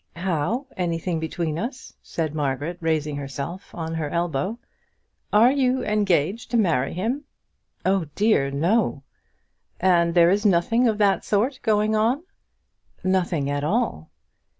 "How anything between us?" said Margaret, raising herself on her elbow. "Are you engaged to marry him?" "Oh, dear! no." "And there is nothing of that sort going on?" "Nothing at all."